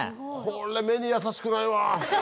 これ目にやさしくないわ。